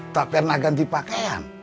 tak pernah ganti pakaian